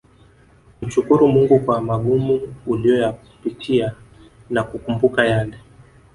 kumshukru Mungu kwa magumu uliyoyapitia na kukumbuka yale